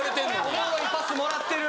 おもろいパスもらってる。